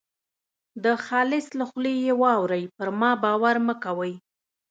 د خالص له خولې یې واورۍ پر ما باور مه کوئ.